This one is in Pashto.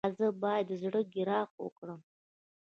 ایا زه باید د زړه ګراف وکړم؟